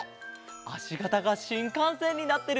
あしがたがしんかんせんになってる！